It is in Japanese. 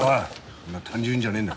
そんな単純じゃねえんだ